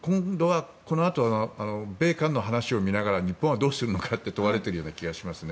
このあと米韓の話を見ながら日本はどうするのかと問われているような気がしますね。